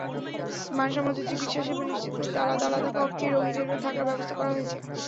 মানসম্মত চিকিৎসাসেবা নিশ্চিত করতে আলাদা আলাদা কক্ষে রোগীদের থাকার ব্যবস্থা করা হয়েছে।